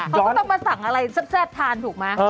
เขาก็ต้องมาสั่งอะไรแซ่บทานถูกไหม